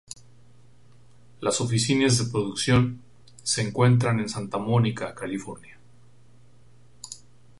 Las oficinas de producción se encuentran en Santa Mónica, California.